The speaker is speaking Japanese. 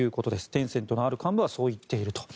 テンセントのある幹部はそう言っていると。